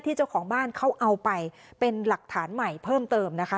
เจ้าของบ้านเขาเอาไปเป็นหลักฐานใหม่เพิ่มเติมนะคะ